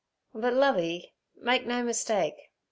'But, Lovey, make no mistake.